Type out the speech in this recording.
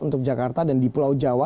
untuk jakarta dan di pulau jawa